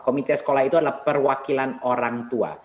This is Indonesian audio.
komite sekolah itu adalah perwakilan orang tua